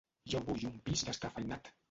Jo vull un pis descafeïnat.